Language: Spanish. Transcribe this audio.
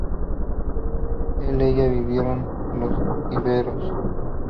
El ella vivieron los íberos.